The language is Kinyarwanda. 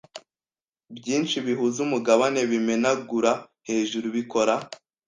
byinshi bihuza umugabane bimenagura hejuru bikora